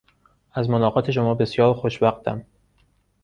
از ملاقات شما بسیار خوشوقتم.